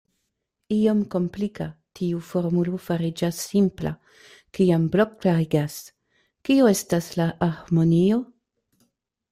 Iom komplika, tiu formulo fariĝas simpla, kiam Blok klarigas: Kio estas la harmonio?